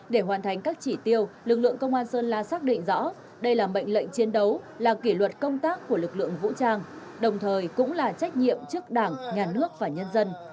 để hoàn thành các chỉ tiêu lực lượng công an sơn la xác định rõ đây là mệnh lệnh chiến đấu là kỷ luật công tác của lực lượng vũ trang đồng thời cũng là trách nhiệm trước đảng nhà nước và nhân dân